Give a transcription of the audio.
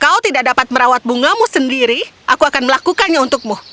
kau tidak dapat merawat bungamu sendiri aku akan melakukannya untukmu